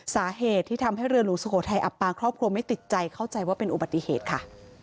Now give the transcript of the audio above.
สาเหตุที่ทำให้เรือหลวงสุโขทัยอับปางครอบครัวไม่ติดใจเข้าใจว่าเป็นอุบัติเหตุค่ะ